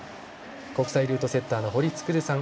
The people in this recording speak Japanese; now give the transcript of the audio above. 国際ルートセッターの堀創さん